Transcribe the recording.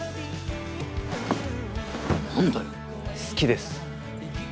好きです。